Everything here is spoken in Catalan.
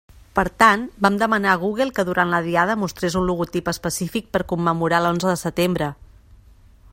Per tant, vam demanar a Google que durant la Diada mostrés un logotip específic per commemorar l'onze de setembre.